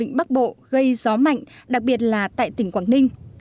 vịnh bắc bộ gây gió mạnh đặc biệt là tại tỉnh quảng ninh